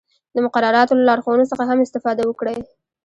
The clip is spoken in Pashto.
د مقرراتو له لارښوونو څخه هم استفاده وکړئ.